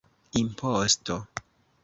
imposto